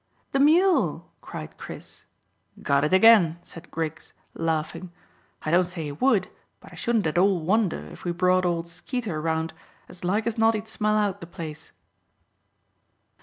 "The mule," cried Chris. "Got it again," said Griggs, laughing. "I don't say he would, but I shouldn't at all wonder, if we brought old Skeeter round, as like as not he'd smell out the place."